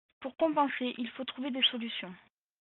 Pour compenser, il faut trouver des solutions.